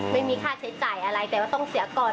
ไม่มีค่าใช้จ่ายอะไรแต่ว่าต้องเสียก่อน